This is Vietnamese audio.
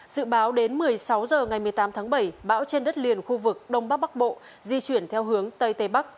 dự báo đến một mươi sáu h ngày một mươi tám tháng bảy bão trên đất liền khu vực đông bắc bắc bộ di chuyển theo hướng tây tây bắc